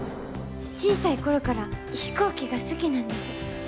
小さい頃から飛行機が好きなんです。